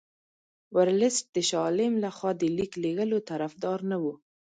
ورلسټ د شاه عالم له خوا د لیک لېږلو طرفدار نه وو.